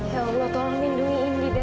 ya allah tolong mindungi indi dan edo ya allah